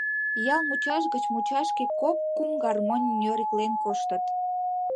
Ял мучаш гыч мучашке кок-кум гармонь ньориклен коштыт.